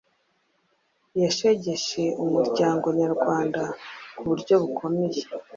Yashegeshe umuryango nyarwanda ku buryo bukomeye.